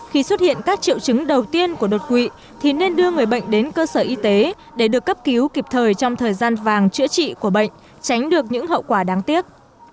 khi xuất hiện các triệu chứng đầu tiên của đột quỵ thì nên đưa người bệnh đến cơ sở y tế để được cấp cứu kịp thời trong thời gian vàng chữa trị của bệnh tránh được những hậu quả đáng tiếc